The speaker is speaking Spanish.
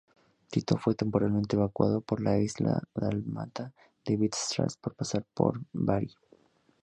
Tito fue temporalmente evacuado a la isla dálmata de Vis tras pasar por Bari.